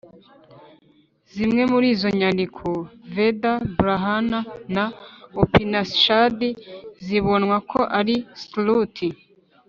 zimwe muri izo nyandiko (veda, brahmana na upanishad) zibonwa ko ari sruti,